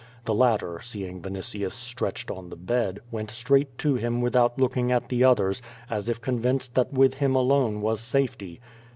The latter, seeing Vinitius stretched on the bed, went straight to him without looking at the others, as if convinced that with him alone was safety.